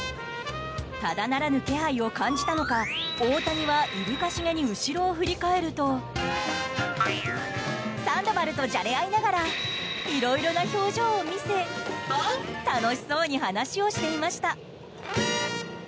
ただならぬ気配を感じたのか大谷はいぶかしげに後ろを振り返るとサンドバルとじゃれ合いながらいろいろな表情を見せ楽しそうに話をしていました。